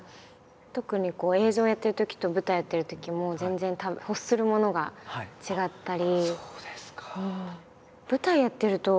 特にこう映像をやってるときと舞台やってるときもう全然欲するものが違ったり。